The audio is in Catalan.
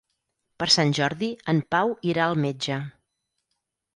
Per Sant Jordi en Pau irà al metge.